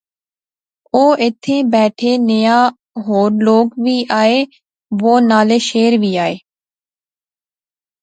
او ایتھیں بیٹھے نیاں ہور لوک وی آئے وہ نالے شاعر وی آئے